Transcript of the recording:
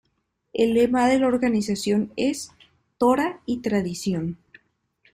El lema de la organización es: "Torá y Tradición".